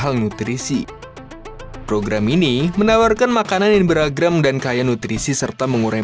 hal nutrisi program ini menawarkan makanan yang beragam dan kaya nutrisi serta mengurai